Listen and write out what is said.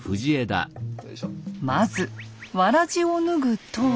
まずわらじを脱ぐと。